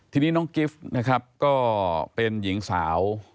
ทีนี้น้องกิฟต์นะครับก็เป็นหญิงสาว